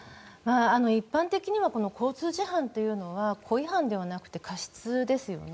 一般的に交通事犯というのは故意犯ではなく過失ですよね。